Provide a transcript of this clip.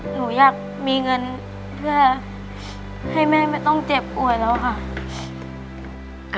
หนูอยากมีเงินเพื่อให้แม่ไม่ต้องเจ็บป่วยแล้วค่ะ